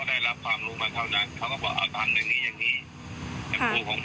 หลังจากพบศพผู้หญิงปริศนาตายตรงนี้ครับ